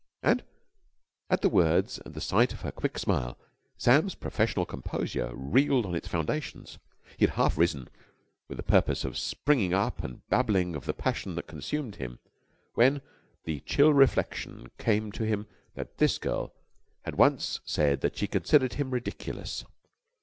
And at the words and the sight of her quick smile Sam's professional composure reeled on its foundations. He had half risen, with the purpose of springing up and babbling of the passion that consumed him, when the chill reflection came to him that this girl had once said that she considered him ridiculous.